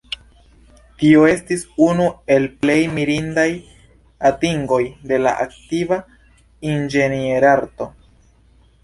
Tio estis unu el plej mirindaj atingoj de antikva inĝenierarto.